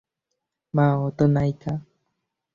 মা - ও তো নায়িকা।